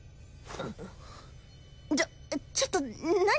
ちょちょっと何？